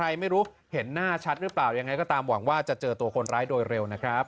ไม่รู้เห็นหน้าชัดหรือเปล่ายังไงก็ตามหวังว่าจะเจอตัวคนร้ายโดยเร็วนะครับ